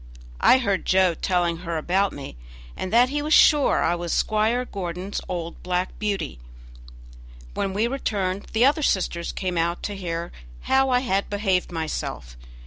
I heard Joe telling her about me, and that he was sure I was Squire Gordon's old "Black Beauty". When we returned the other sisters came out to hear how I had behaved myself.